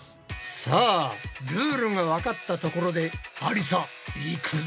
さあルールがわかったところでありさいくぞ！